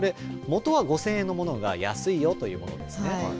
これ、元は５０００円のものが安いよということです。